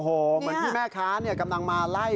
โอ้โหเหมือนพี่แม่คากำลังมาไล่